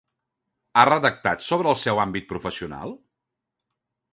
Ha redactat sobre el seu àmbit professional?